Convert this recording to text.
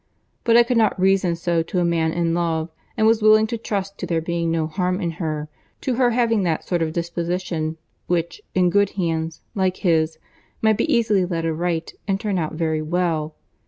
But I could not reason so to a man in love, and was willing to trust to there being no harm in her, to her having that sort of disposition, which, in good hands, like his, might be easily led aright and turn out very well.